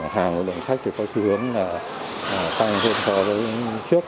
hàng và lượng khách thì có xu hướng là tăng hơn so với trước